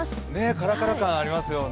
カラカラ感ありますよね。